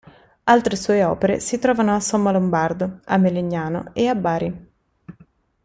Altre sue opere si trovano a Somma Lombardo, a Melegnano e a Bari.